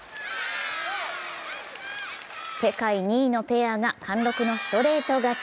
世界２位のペアが貫禄のストレート勝ち。